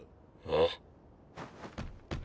あっ？